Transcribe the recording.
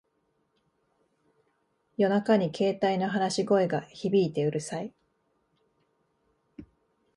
夜中に携帯の話し声が響いてうるさい